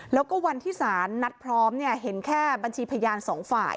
แล้วก็วันที่สารนัดพร้อมเห็นแค่บัญชีพยานสองฝ่าย